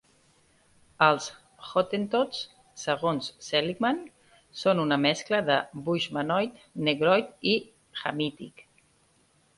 Els Hottentots, segons Seligman, són una mescla de Bushmanoid, Negroid i Hamitic.